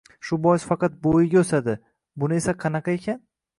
— Shu bois, faqat bo‘yiga o‘sadi. Buni esi qanaqa ekan?»